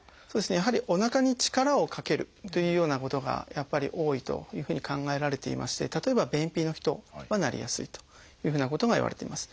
やはりおなかに力をかけるというようなことがやっぱり多いというふうに考えられていまして例えば便秘の人はなりやすいというふうなことがいわれています。